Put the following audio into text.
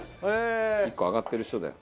１個上がってる人だよ。